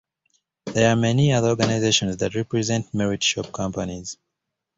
There are many other organizations that represent merit shop companies.